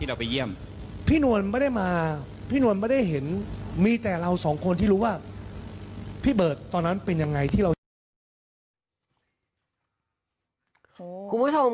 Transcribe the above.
ที่เราไปเยี่ยมพี่นวลไม่ได้มาพี่นวลไม่ได้เห็นมีแต่เราสองคนที่รู้ว่าพี่เบิร์ตตอนนั้นเป็นยังไงที่เราเห็น